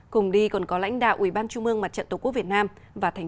cùng đi còn có lãnh đạo ubnd mặt trận tổ quốc việt nam và tp hcm